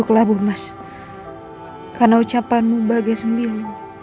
kamu yang terakhir juga buat saya